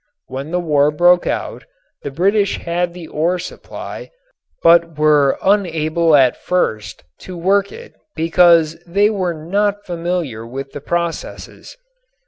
When the war broke out the British had the ore supply, but were unable at first to work it because they were not familiar with the processes.